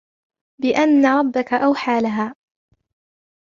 بِأَنَّ رَبَّكَ أَوْحَى لَهَا